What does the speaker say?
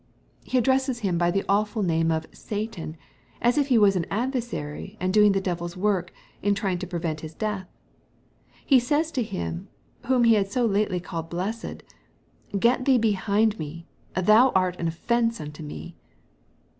He ad dresses him by the awful name of " Satan," as if he was an adversary, and doing the devil's work, in trying to prevent His death. He says to him, whomhe had so lately called " blessed," " Get thee behind nje, thou art an of fence unto me."